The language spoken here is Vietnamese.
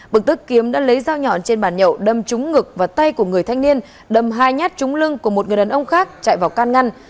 bực tức kiếm đã lấy dao nhọn trên bàn nhậu đâm trúng ngực và tay của người thanh niên đâm hai nhát trúng lưng của một người đàn ông khác chạy vào can ngăn